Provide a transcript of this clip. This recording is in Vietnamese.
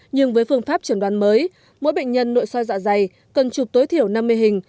nhưng với phương pháp chẩn đoán mới mỗi bệnh nhân nội soi dạ dày cần chụp tối thiểu năm mươi hình